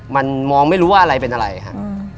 มันมองไม่รู้ว่าอะไรเป็นอะไรครับ